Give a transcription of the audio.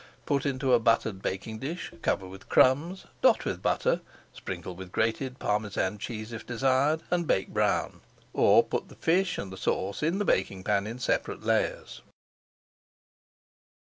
Put into a buttered baking dish, cover with crumbs, dot with butter, sprinkle with grated Parmesan cheese if desired, and bake brown, or put the fish and the sauce in the baking pan in separate layers.